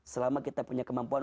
selama kita punya kemampuan